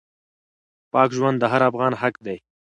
پاک ژوند د هر افغان حق دی.